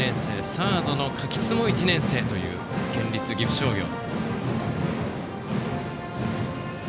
サードの垣津も１年生という県立岐阜商業。